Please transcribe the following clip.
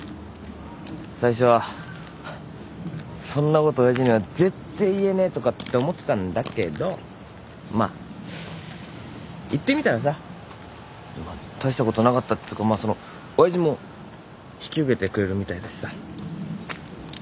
最初はそんなこと親父には絶対言えねえとかって思ってたんだけどまあ言ってみたらさまあ大したことなかったっつうかまあその親父も引き受けてくれるみたいだしさ。